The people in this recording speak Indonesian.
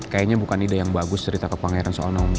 kayaknya bukan ide yang bagus cerita kepangeran soal naomi